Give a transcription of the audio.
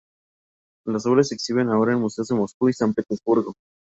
Las obras se exhiben ahora en museos de Moscú y San Petersburgo.